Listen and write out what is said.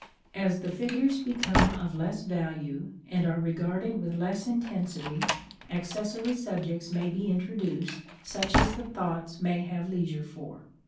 As the figures become of less value, and are regarded with less intensity, accessory subjects may be introduced, such as the thoughts may have leisure for.